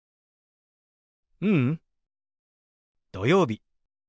ううん土曜日。